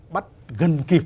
bắt gần kịp